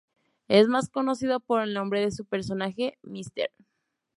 Es más conocido por el nombre de su personaje Mr.